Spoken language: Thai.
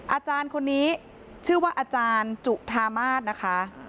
อาจารย์คนนี้ชื่อว่าอาจารย์จุธามาศนะคะ